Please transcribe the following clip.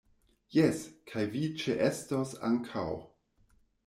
Jes, kaj vi ĉeestos ankaŭ